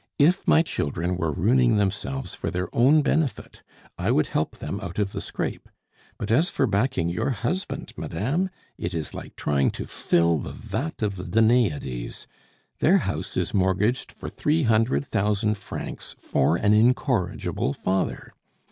If my children were ruining themselves for their own benefit, I would help them out of the scrape; but as for backing your husband, madame? It is like trying to fill the vat of the Danaides! Their house is mortgaged for three hundred thousand francs for an incorrigible father!